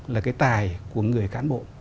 là cái tài của người cán bộ